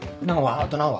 あと何話？